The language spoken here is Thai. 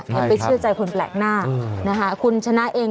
อย่าไปเชื่อใจคนแปลกหน้านะคะคุณชนะเอง